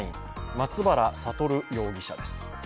松原聡容疑者です。